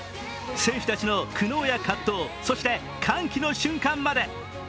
選手たちの苦悩や葛藤、そして歓喜の瞬間まで。